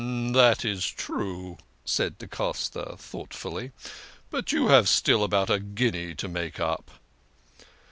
" That is true," said da Costa thoughtfully. " But you have still about a guinea to make up."